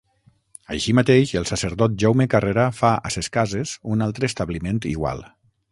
Així mateix el sacerdot Jaume Carrera fa a ses Cases un altre establiment igual.